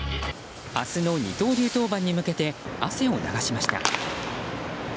明日の二刀流登板に向けて汗を流しました。